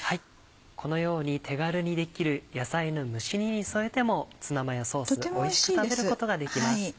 このように手軽にできる野菜の蒸し煮に添えてもツナマヨソースおいしく食べることができます。